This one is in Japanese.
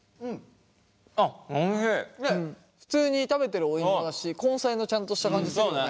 ねっ普通に食べてるお芋だし根菜のちゃんとした感じするよね。